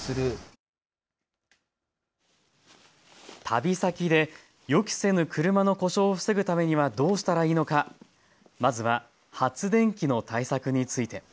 旅先で予期せぬ車の故障を防ぐためにはどうしたらいいのかまずは発電機の対策について。